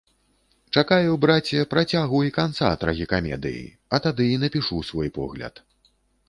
Чакаю, браце, працягу і канца трагікамедыі, а тады і напішу свой погляд.